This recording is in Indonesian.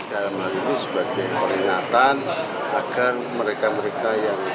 halaman ini sebagai peringatan agar mereka mereka